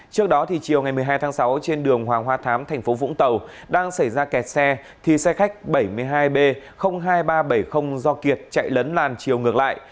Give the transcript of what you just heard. trước đó chiều ngày một mươi hai tháng sáu trên đường hoàng hoa thám thành phố vũng tàu đang xảy ra kẹt xe thì xe khách bảy mươi hai b hai nghìn ba trăm bảy mươi do kiệt chạy lấn làn chiều ngược lại